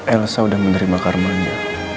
elsa udah menerima karmanya